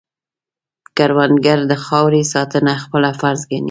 کروندګر د خاورې ساتنه خپله فرض ګڼي